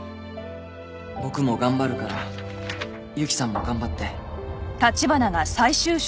「僕も頑張るからＹＵＫＩさんも頑張って」